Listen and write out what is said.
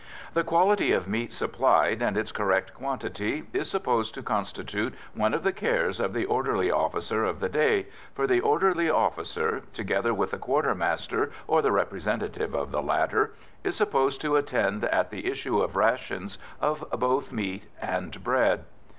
The quality of meat supplied, and its correct quantity, is supposed to constitute one of the cares of the orderly officer of the day, for the orderly officer, together with the quartermaster or the representative of the latter, is supposed to attend at the issue of rations of both bread and meat.